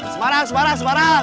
semarang semarang semarang